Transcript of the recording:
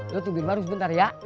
lu tungguin bagus bentar ya